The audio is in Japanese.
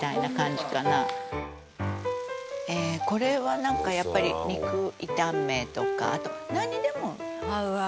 「えーこれはなんかやっぱり肉炒めとかなんにでも合うね」